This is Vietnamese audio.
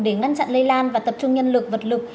để ngăn chặn lây lan và tập trung nhân lực vật lực